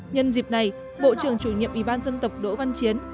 nhân dịp này bộ trưởng chủ nhiệm ủy ban dân tộc đỗ văn chiến